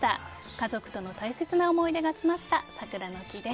家族との大切な思い出が詰まった桜の木です。